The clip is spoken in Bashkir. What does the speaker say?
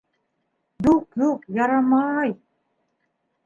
- Юҡ, юҡ, ярамай...